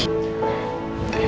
terima kasih tante